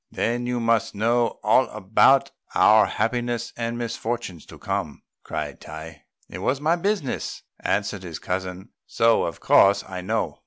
"Then you must know all about our happiness and misfortunes to come," cried Tai. "It is my business," answered his cousin, "so of course I know.